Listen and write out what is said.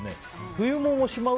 冬物はしまう。